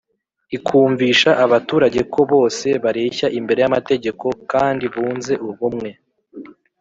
ikumvisha abaturage ko bose bareshya imbere y' amategeko kandi bunze ubumwe.